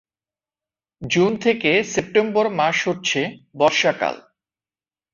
June থেকে September মাস হচ্ছে বর্ষাকাল।